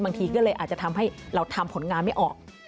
บางทีก็เลยอาจจะทำให้เราทำผลงานไม่ออก